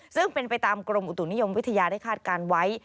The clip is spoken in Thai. ซึ่งเป็นไปตามกรมอุตุนิยมวิทยาได้คาดการณ์ไว้